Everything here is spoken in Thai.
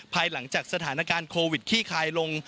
ภายหลังจากสถานการณ์โควิดขี้คายลง